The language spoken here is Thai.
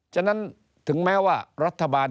ฉะนั้นถึงแม้ว่ารัฐบาล